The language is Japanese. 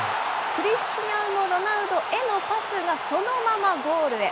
クリスチアーノ・ロナウドへのパスがそのままゴールへ。